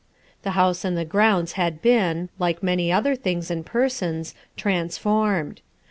The house and the grounds had been, like many other things and persons, transformed.